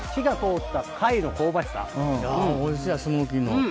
おいしいわスモーキーの。